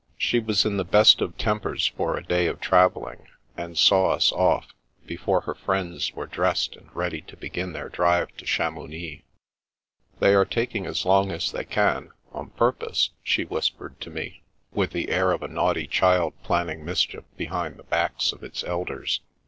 She was in the best of tempers for a day of travelling, and saw us off, before her friends were dressed and ready to begin their drive to Chamounix. " They are taking as long as they can, on pur pose," she whispered to me, with the air of a naughty child planning mischief behind the backs of its elders.